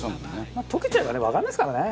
まあ溶けちゃえばねわかんないですからね。